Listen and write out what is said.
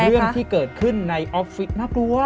เรื่องที่เกิดขึ้นในออฟฟิศน่ากลัว